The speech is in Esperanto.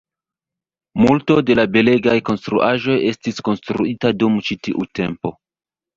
Multo de la belegaj konstruaĵoj estis konstruita dum ĉi tiu tempo.